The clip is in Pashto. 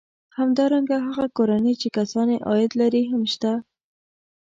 همدارنګه هغه کورنۍ چې کسان یې عاید لري هم شته